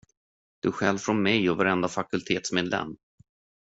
Du stjäl från mig, och från varenda fakultetsmedlem.